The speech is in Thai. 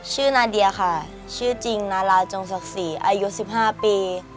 นาเดียค่ะชื่อจริงนาราจงศักดิ์ศรีอายุ๑๕ปี